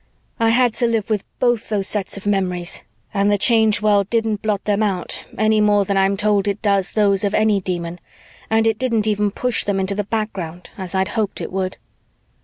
I had to live with both those sets of memories and the Change World didn't blot them out any more than I'm told it does those of any Demon, and it didn't even push them into the background as I'd hoped it would.